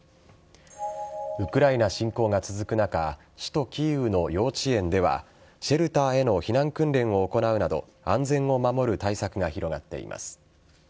ウクライナ侵攻が続く中首都・キーウの幼稚園ではシェルターへの避難訓練を行うなど安全を守る対策が広がっています。